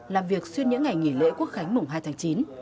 làm việc xuyên những ngày nghỉ lễ quốc khánh mùng hai tháng chín